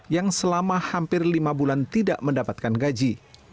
yang selama hampir lima bulan tidak mendapatkan gaji